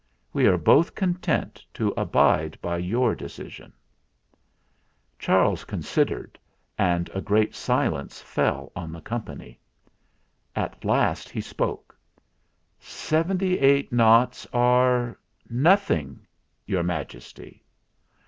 We are both content to abide by your decision." 258 THE FLINT HEART Charles considered, and a great silence fell on the company. At last he spoke: "Seventy eight noughts are nothing, Your Majesty."